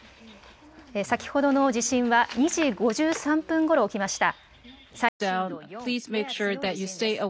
先ほどの地震は２時５３分ごろ起きました。